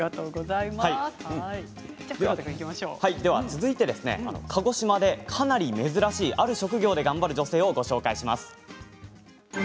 続いて鹿児島でかなり珍しいある職業で頑張る女性をご紹介します。